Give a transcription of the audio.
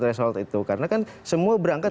threshold itu karena kan semua berangkat